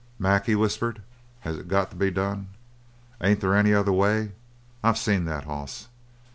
"Mac," he whispered, "has it got to be done? Ain't there any other way? I've seen that hoss.